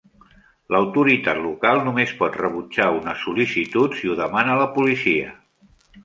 L'autoritat local només pot rebutjar una sol·licitud si ho demana la policia.